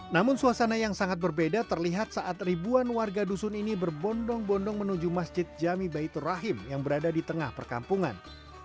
namun suasana yang sangat berbeda terlihat saat ribuan warga dusun ini berbondong bondong menuju masjid jami baitur rahim yang berada di tengah perkampungan